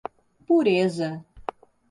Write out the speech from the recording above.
Pureza